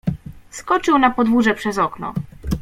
Skoczył na podwórze przez okno.